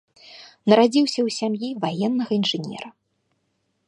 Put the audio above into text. Нарадзіўся ў сям'і ваеннага інжынера.